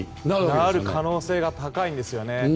そうなる可能性が高いんですよね。